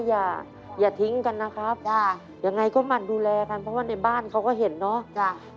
อย่าทิ้งกันนะครับอย่างไรก็มาดูแลกันเพราะว่าในบ้านเขาก็เห็นนะ